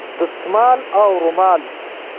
دستمال او رومال